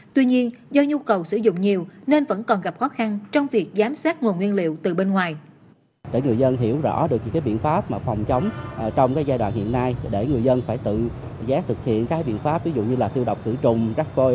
tuy nhiên do nhu cầu sử dụng nhiều nên vẫn còn gặp khó khăn trong việc giám sát nguồn nguyên liệu từ bên ngoài